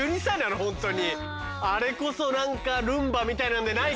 あれこそ何かルンバみたいなんでないかね？